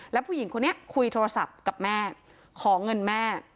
แล้วผู้หญิงคนนี้คุยโทรศัพท์กับแม่ขอเงินแม่